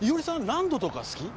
ランドとか好き？